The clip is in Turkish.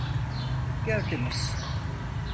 Gördünüz.